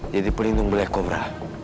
jadi penindung black cobra